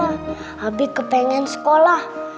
tata abi kepengen sekolah